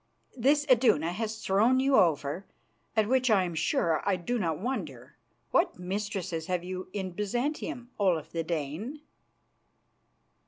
" this Iduna has thrown you over, at which I am sure I do not wonder, what mistresses have you in Byzantium, Olaf the Dane?"